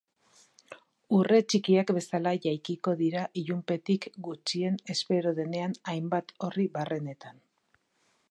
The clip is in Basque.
Urre txikiak bezala jaikiko dira ilunpetik gutxien espero denean hainbat orri barrenetan.